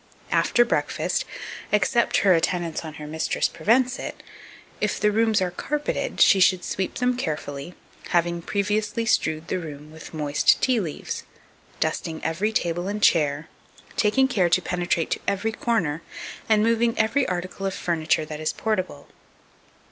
After breakfast, except her attendance on her mistress prevents it, if the rooms are carpeted, she should sweep them carefully, having previously strewed the room with moist tea leaves, dusting every table and chair, taking care to penetrate to every corner, and moving every article of furniture that is portable.